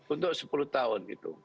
untuk sepuluh tahun gitu